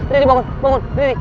ri bangun ri